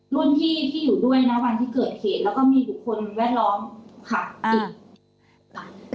รุ่นพี่ที่อยู่ด้วยนะวันที่เกิดเหตุแล้วก็มีบุคคลแวดล้อมขับอีกค่ะ